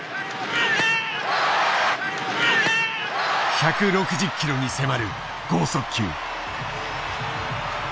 １６０キロに迫る剛速球。